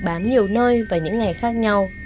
bán nhiều nơi và những ngày khác nhau